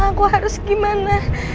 aku harus gimana